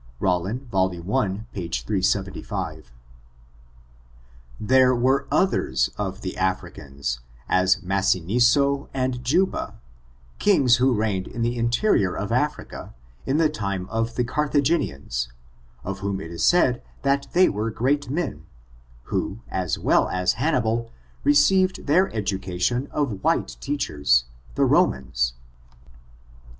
— Rollin^ vol, i, p. 375. There were others of the Africans, as Masinissa and Juba^ kings who reigned in the interior of Afri ca, in the time of the Carthagenians, of whom it is said that they were great men, who, as well as Han nibal, received their education of white teachers — the Romans.